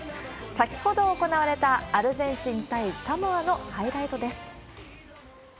先ほど行われたアルゼンチン対サモアのハイライトです。